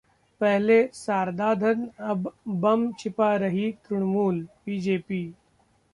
पहले सारदा धन, अब बम छिपा रही तृणमूल: बीजेपी